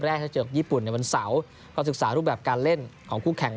จะเจอกับญี่ปุ่นในวันเสาร์ก็ศึกษารูปแบบการเล่นของคู่แข่ง